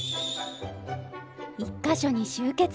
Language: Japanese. １か所に集結。